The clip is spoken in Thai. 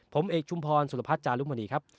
ผมเอกชุมพรสุรพัฒน์จารุมณีครับ